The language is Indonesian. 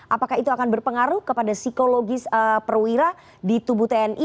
apakah itu akan berpengaruh kepada psikologis perwira di tubuh tni